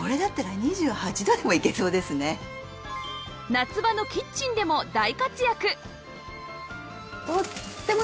夏場のキッチンでも大活躍！